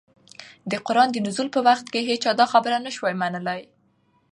د قرآن د نزول په وخت كي هيچا دا خبره نه شوى منلى